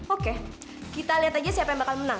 oke kita lihat aja siapa yang bakal menang